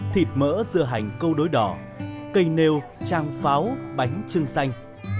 thịt mỡ dưa hành câu đối đỏ cây nêu trang pháo bánh trưng xanh